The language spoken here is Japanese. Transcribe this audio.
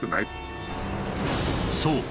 そう。